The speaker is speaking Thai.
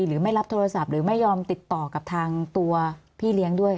ไม่รับโทรศัพท์หรือไม่ยอมติดต่อกับทางตัวพี่เลี้ยงด้วย